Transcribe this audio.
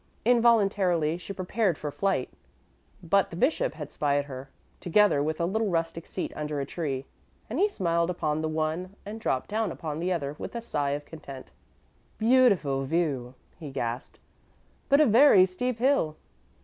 Involuntarily she prepared for flight; but the bishop had spied her, together with a little rustic seat under a tree, and he smiled upon the one and dropped down upon the other with a sigh of content. "A beautiful view," he gasped; "but a very steep hill."